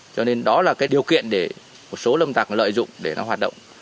cho nên đó là cái điều kiện để một số lâm tạc lợi dụng để nó hoạt động